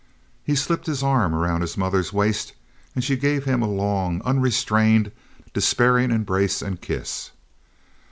He slipped his arm around his mother's waist, and she gave him a long, unrestrained, despairing embrace and kiss.